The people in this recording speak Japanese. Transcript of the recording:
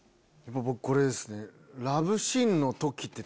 僕これですね。